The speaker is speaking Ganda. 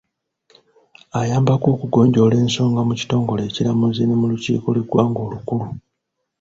Ayambako okugonjoola ensonga mu kitongole ekiramuzi ne mu lukiiko lw’eggwanga olukulu.